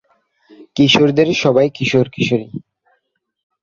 শিশুদের সবাই কিশোর কিশোরী।